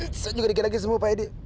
saya juga dikira semua pak hedi